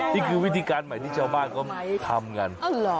นี่คือวิธีการใหม่ที่ชาวบ้านเขาทำกัน